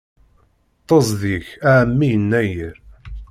Ṭṭeẓ deg-k a ɛemmi Yennayer!